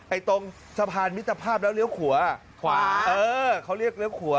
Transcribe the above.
ตรงสะพานมิตรภาพแล้วเลี้ยวขวาเออเขาเรียกเลี้ยวขัว